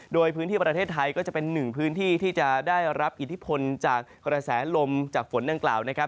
โดยพื้นที่ประเทศไทยก็จะเป็นหนึ่งพื้นที่ที่จะได้รับอิทธิพลจากกระแสลมจากฝนดังกล่าวนะครับ